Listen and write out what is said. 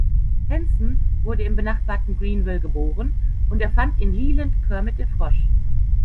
Henson wurde im benachbarten Greenville geboren, und erfand in Leland Kermit den Frosch.